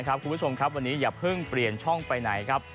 คุณผู้ชมครับวันนี้อย่าเพิ่งเปลี่ยนช่องไปไหนครับ